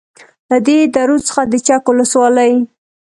. له دې درو څخه د چک ولسوالۍ